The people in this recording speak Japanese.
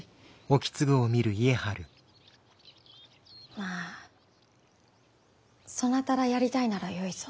まぁそなたらやりたいならよいぞ。